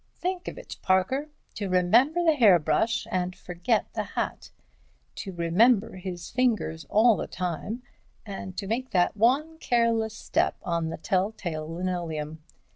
"Think of it, Parker—to remember the hairbrush and forget the hat—to remember his fingers all the time, and to make that one careless step on the telltale linoleum.